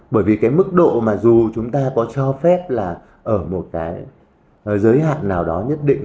bởi vì cái mức độ mà dù chúng ta có cho phép là ở một cái giới hạn nào đó nhất định